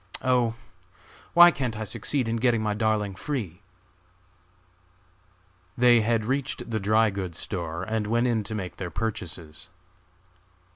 Oh! why can't I succeed in getting my darling free!" They had reached the dry goods store and went in to make their purchases.